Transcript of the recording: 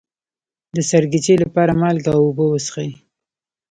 د سرګیچي لپاره مالګه او اوبه وڅښئ